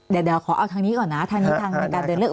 เดี๋ยวขอเอาทางนี้ก่อนนะทางนี้กันการเดิน